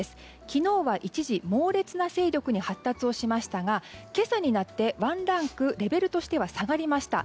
昨日は一時、猛烈な勢力に発達をしましたが今朝になって、ワンランクレベルとしては下がりました。